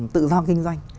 tự do kinh doanh